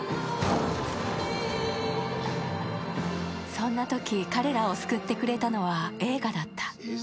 そんなとき、彼らを救ってくれたのは映画だった。